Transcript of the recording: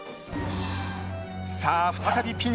さあ再びピンチに！